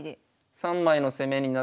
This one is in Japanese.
３枚の攻めにな。